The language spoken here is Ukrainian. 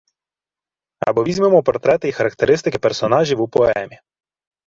Або візьмемо портрети і характеристики персонажів у поемі.